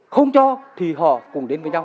không cho thì họ cũng đến với nhau